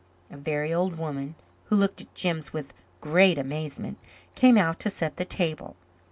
A very old woman, who looked at Jims with great amazement, came out to set the table.